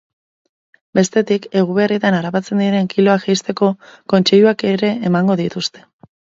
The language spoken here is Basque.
Bestetik eguberrietan harrapatzen diren kiloak jeisteko kontseiluak ere emango dituzte.